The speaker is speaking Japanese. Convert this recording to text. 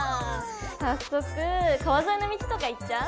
早速川沿いの道とか行っちゃう？